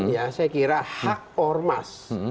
saya kira hak ormas